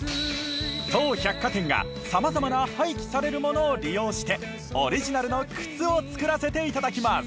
当百貨店がさまざまな廃棄されるものを利用してオリジナルの靴を作らせていただきます。